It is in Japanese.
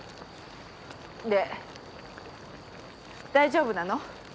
で大丈夫なの？